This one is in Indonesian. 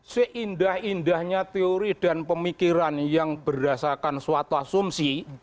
seindah indahnya teori dan pemikiran yang berdasarkan suatu asumsi